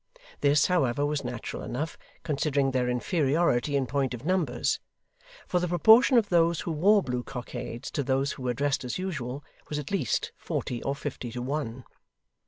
This, however, was natural enough, considering their inferiority in point of numbers; for the proportion of those who wore blue cockades, to those who were dressed as usual, was at least forty or fifty to one.